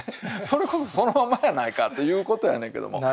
それこそそのままやないか！ということやねんけども。